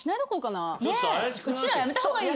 うちらやめた方がいい。